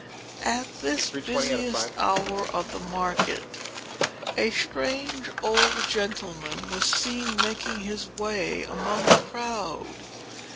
At this busiest hour of the market, a strange old gentleman was seen making his way among the crowd.